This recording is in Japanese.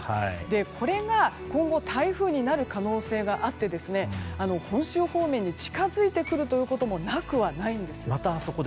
これが、今後台風になる可能性があって本州方面に近づいてくるということもまたあそこですね。